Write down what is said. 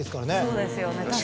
そうですよね